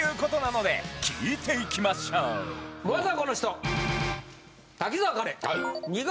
まずはこの人！